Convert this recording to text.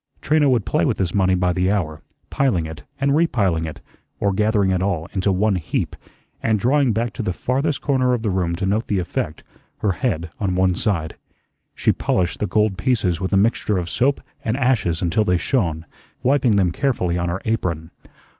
Trina would play with this money by the hour, piling it, and repiling it, or gathering it all into one heap, and drawing back to the farthest corner of the room to note the effect, her head on one side. She polished the gold pieces with a mixture of soap and ashes until they shone, wiping them carefully on her apron.